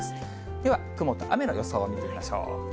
では、雲と雨の予想を見てみましょう。